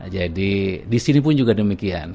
jadi disini pun juga demikian